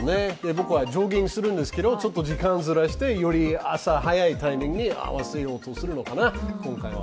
僕はジョギングするんですけど、ちょっと時間をずらしてより朝早いタイミングに合わせようとするのかな、今回は。